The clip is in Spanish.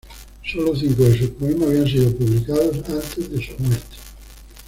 Solo cinco de sus poemas habían sido publicados antes de su muerte.